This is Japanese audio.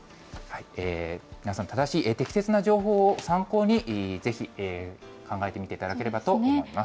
皆さん、正しい適切な情報を参考にぜひ考えてみていただければと思います。